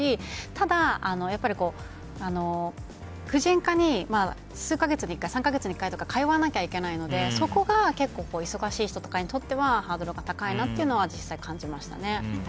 ただ、やっぱり婦人科に数か月に１回とか通わなきゃいけないので、そこが結構忙しい人とかにとってはハードルが高いなというのは実際、感じました。